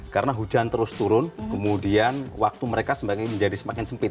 karena hujan terus turun kemudian waktu mereka semakin menjadi semakin sempit